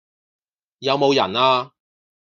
有冇人呀？